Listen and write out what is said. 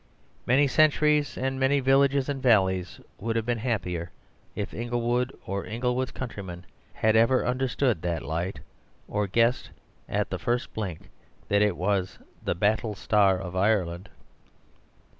Many centuries, and many villages and valleys, would have been happier if Inglewood or Inglewood's countrymen had ever understood that light, or guessed at the first blink that it was the battle star of Ireland.